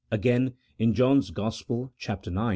Again, in John's Gospel (chap, ix.)